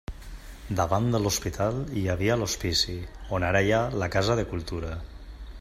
Davant de l'Hospital hi havia l'Hospici, on ara hi ha la Casa de Cultura.